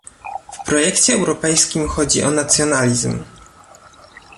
W projekcie europejskim chodzi o nacjonalizm